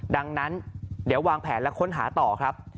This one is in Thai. ดังนั้นเดี๋ยววางแผนและค้นหาต่อครับ